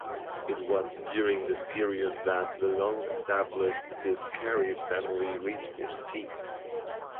It was during this period that the long established Descarries family reached its peak.